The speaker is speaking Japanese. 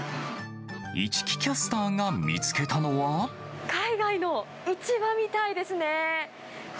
市來キャスターが見つけたの海外の市場みたいですね。